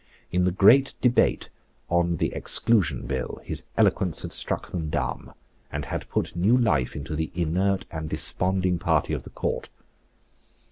In the great debate on the Exclusion Bill, his eloquence had struck them dumb, and had put new life into the inert and desponding party of the Court.